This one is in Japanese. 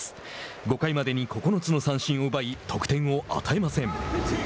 ５回までに９つの三振を奪い得点を与えません。